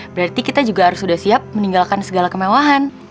berarti kita juga harus sudah siap meninggalkan segala kemewahan